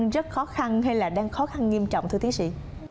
rất khó khăn hay là đang khó khăn nghiêm trọng thưa tiến sĩ